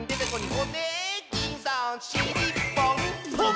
「ホネキンさんしりっぽん」ぽん！